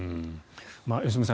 良純さん